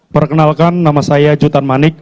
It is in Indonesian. perkenalkan nama saya jutan manik